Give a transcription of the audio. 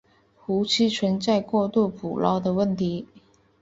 湖区存在过度捕捞的问题。